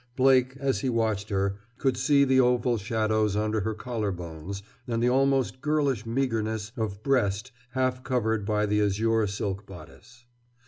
Blake, as he watched her, could see the oval shadows under her collar bones and the almost girlish meagerness of breast half covered by the azure silk bodice.